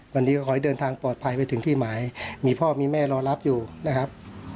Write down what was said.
วันนี้ก็ขอให้เดินทางปลอดภัยไปถึงที่หมายมีพ่อมีแม่รอรับอยู่นะครับ